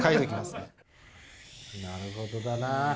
なるほどだな。